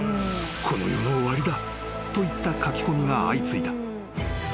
［「この世の終わりだ」といった書き込みが相次いだ］